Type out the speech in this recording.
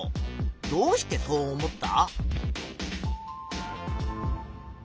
どうしてそう思った？